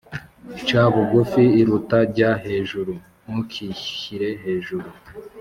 Ca bugufi iruta jya hejuru.(ntukishyire hejuru)